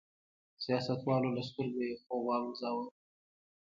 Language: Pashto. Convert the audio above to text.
سیاستوالو له سترګو یې خوب والوځاوه.